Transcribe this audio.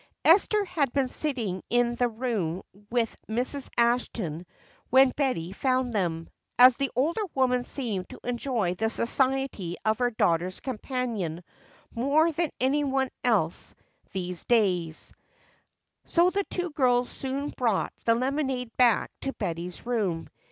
Esther had been sitting in the room with Mrs. Ashton when Betty found them, as the older woman seemed to enjoy the society of her daughter's companion more than any one's else these days, so the two girls soon brought the lemonade back to Betty's room.